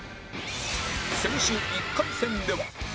先週１回戦では